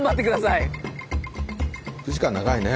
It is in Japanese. ６時間長いね。